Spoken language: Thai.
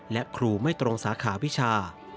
และครูไม่ตรงสาขาวิชา